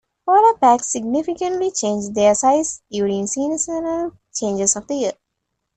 Polar packs significantly change their size during seasonal changes of the year.